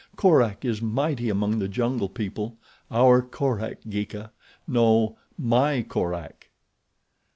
Korak is mighty among the jungle people—our Korak, Geeka—no, my Korak!"